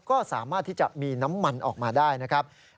ก็สามารถที่จะมีน้ำมันออกมาได้นะครับ